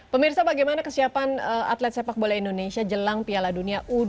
pemirsa bagaimana kesiapan atlet sepak bola indonesia jelang piala dunia u dua puluh